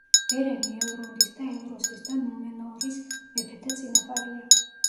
ბერენი ელრონდის და ელროსის და ნუმენორის მეფეთა წინაპარია.